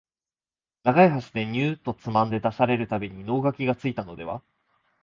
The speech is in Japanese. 長い箸でニューッとつまんで出される度に能書がついたのでは、